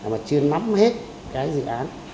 mà chưa nắm hết cái dự án